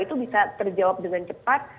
itu bisa terjawab dengan cepat